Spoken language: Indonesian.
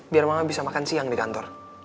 biar mama bisa makan siang di kantor